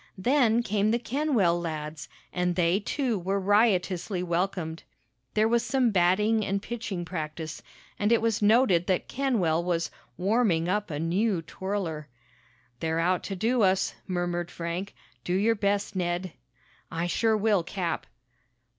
Then came the Kenwell lads, and they, too, were riotously welcomed. There was some batting and pitching practice, and it was noted that Kenwell was "warming" up a new twirler. "They're out to do us," murmured Frank. "Do your best, Ned!" "I sure will, Cap!"